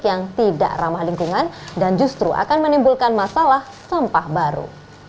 yang tidak ramah lingkungan dan justru akan menimbulkan masalah sampah baru